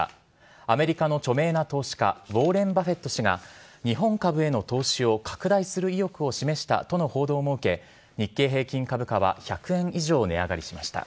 アメリカの著名な投資家ウォーレン・バフェット氏が日本株への投資を拡大する意欲を示したとの報道も受け日経平均株価は１００円以上値上がりしました。